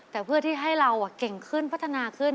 แต่เพื่อที่ให้เราเก่งขึ้นพัฒนาขึ้น